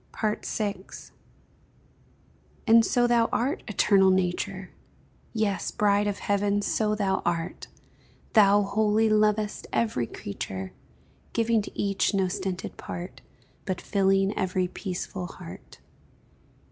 VI. And so thou art, Eternal Nature! Yes, bride of Heaven, so thou art; Thou, wholly lovest every creature, Giving to each no stinted part, But filling every peaceful heart.